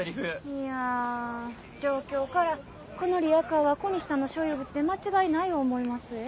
いやぁ状況からこのリアカーは小西さんの所有物で間違いない思いますえ。